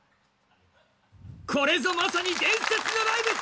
これぞまさに伝説のライブ！